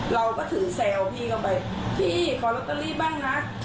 เราก็ถึงแซวพี่เข้าไปพี่ขอลอตเตอรี่บ้างนะ